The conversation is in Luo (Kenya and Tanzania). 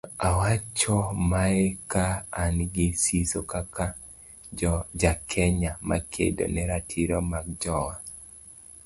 Awacho mae ka an gi siso kaka ja Kenya makedo ne ratiro mag jowa